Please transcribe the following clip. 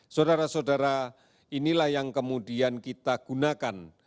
saudara saudara inilah yang kemudian kita gunakan